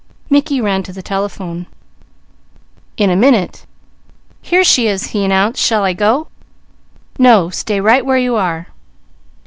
Mickey ran to the telephone. In a minute, "Here she is," he announced. "Shall I go?" "No! Stay right where you are."